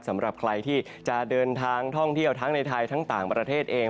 สำหรับใครที่จะเดินทางท่องเที่ยวทั้งในไทยทั้งต่างประเทศเอง